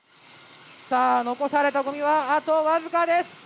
さあ残されたゴミはあと僅かです。